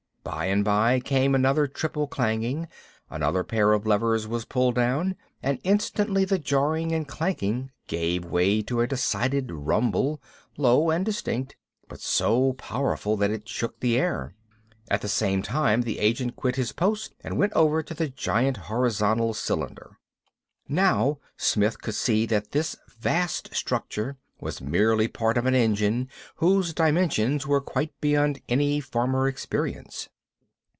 By and by came another triple clanging, another pair of levers was pulled down, and instantly the jarring and clanking gave way to a decided rumble, low and distinct, but so powerful that it shook the air. At the same time the agent quit his post and went over to the giant horizontal cylinder. Now Smith could see that this vast structure was merely part of an engine whose dimensions were quite beyond any former experience.